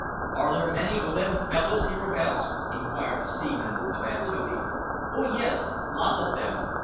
"Are there many o' them fellows hereabouts?" inquired the seaman of Antonio. "Ho, yis, lots ob 'em.